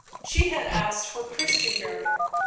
. she had asked for Christian burial